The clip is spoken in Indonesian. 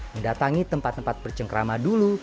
mendatangi tempat tempat bercengkrama dulu